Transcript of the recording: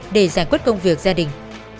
để giải quyết công việc gia đình